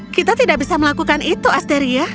kita tidak bisa melakukan itu asteria